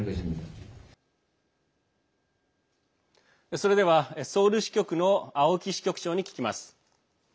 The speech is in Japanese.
それではソウル支局の青木支局長に聞きます。